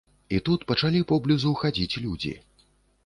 І тут пачалі поблізу хадзіць людзі.